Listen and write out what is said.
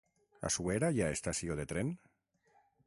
A Suera hi ha estació de tren?